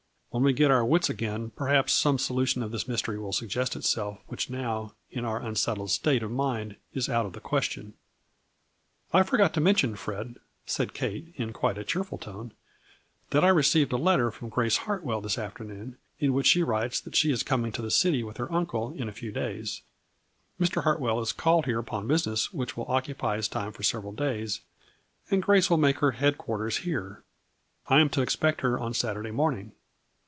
"When we get our wits again perhaps some solution of this mystery will suggest itself which now, in our unsettled state of mind, is out of the question." " I forgot to mention, Fred," said Kate, in quite a cheerful tone, " that I received a letter from Grace Hartwell this afternoon, in which she writes that she is coming to the city with her uncle, in a few days. Mr. Hartwell is called here upon business which will occupy his time for several days, and Grace will make her head quarters here. I am to expect her on Saturday morning."